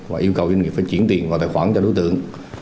và yêu cầu doanh nghiệp phải chuyển tiền vào tài khoản cho đối tượng